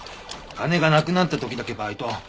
金がなくなった時だけバイト。